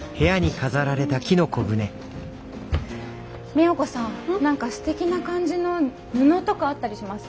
ＭＩＹＡＫＯさん何かすてきな感じの布とかあったりします？